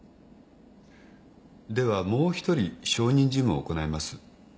ではもう一人証人尋問を行います。